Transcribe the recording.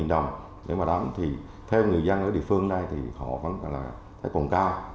bảy trăm linh đồng nếu mà đáng thì theo người dân ở địa phương này thì họ vẫn là còn cao